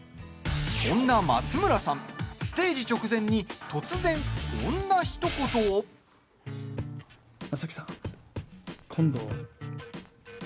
そんな松村さん、ステージ直前に突然こんなひと言を。って言ってね。